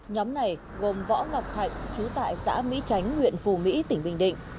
nhóm này gồm võ ngọc thạnh chú tại xã mỹ chánh huyện phù mỹ tỉnh bình định